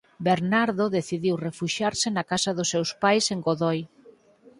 Bernardo decidiu refuxiarse na casa dos seus pais en Godoi.